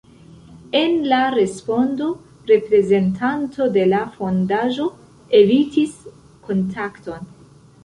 En la respondo reprezentanto de la fondaĵo evitis kontakton.